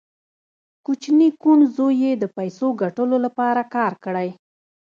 کوچني کوڼ زوی یې د پیسو ګټلو لپاره کار کړی